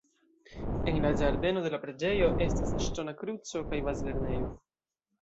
En la ĝardeno de la preĝejo estas ŝtona kruco kaj bazlernejo.